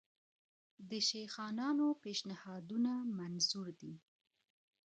د شیخانانو پېشنهادونه منظور دي.